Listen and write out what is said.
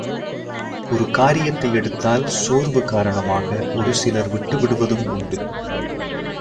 ஒரு காரியத்தை எடுத்தால் சோர்வு காரணமாக ஒரு சிலர் விட்டுவிடுவதும் உண்டு.